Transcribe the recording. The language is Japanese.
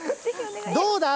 どうだ。